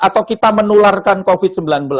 atau kita menularkan covid sembilan belas